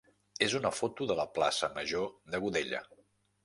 és una foto de la plaça major de Godella.